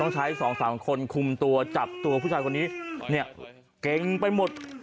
ใช้สองสามคนคุมตัวจับตัวผู้ชายคนนี้เนี่ยเก่งไปหมด